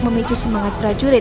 memicu semangat prajurit